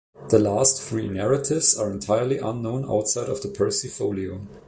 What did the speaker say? The last three narratives are entirely unknown outside the Percy Folio.